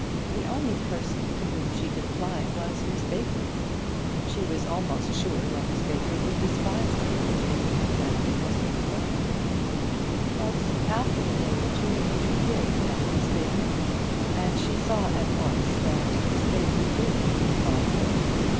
The only person to whom she could apply was Miss Baker, and she was almost sure that Miss Baker would despise her for thinking of marrying Mr Maguire. But after a day or two she did tell Miss Baker, and she saw at once that Miss Baker did despise her.